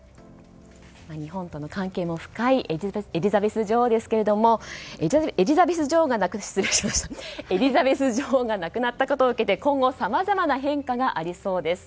日本との関係も深いエリザベス女王ですけどエリザベス女王が亡くなったことを受けて今後さまざまな変化がありそうです。